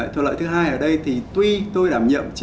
thuật lợi thứ hai ở đây thì tuy tôi đảm nhậm